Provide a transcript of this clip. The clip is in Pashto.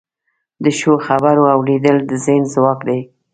د ښو خبرو اوریدل د ذهن ځواک دی.